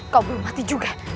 kau belum mati juga